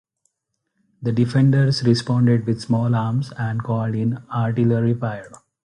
The defenders responded with small arms and called in artillery fire.